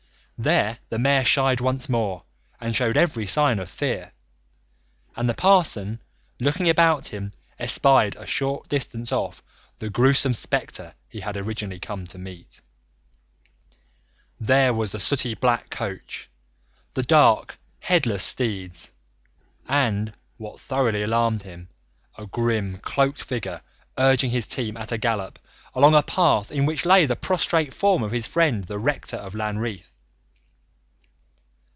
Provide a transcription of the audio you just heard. There the mare shied once more and showed every sign of fear, and the parson, looking about him, espied a short distance off the gruesome spectre he had originally come to meet. There was the sooty black coach, the dark, headless steeds, and, what thoroughly alarmed him, a grim cloaked figure urging his team at a gallop along a path in which lay the prostrate form of his friend the rector of Lanreath.